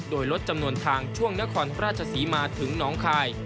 โดยลดจำนวนทางช่วงนครราชศรีมาถึงน้องคาย